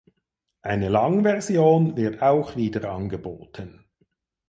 Eine Langversion wird auch wieder angeboten.